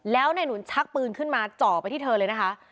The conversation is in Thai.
แล้วนายหนุนชักปืนขึ้นมาเจาะไปที่เธอเลยนะคะ